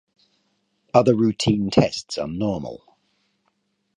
Other routine tests are normal.